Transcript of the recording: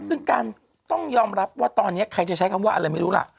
ซึ่งการต้องยอมรับว่าตอนนี้ใครจะใช้คำว่าอะไรไม่รู้ล่ะ